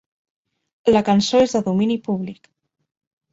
La cançó és de domini públic.